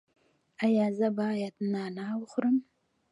ایا زه باید نعناع وخورم؟